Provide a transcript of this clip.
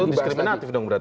itu diskriminatif dong berarti